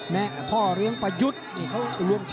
และพ่อเลี้ยงประยุทธ์